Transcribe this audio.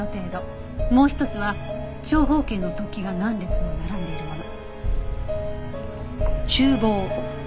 もう一つは長方形の突起が何列も並んでいるもの。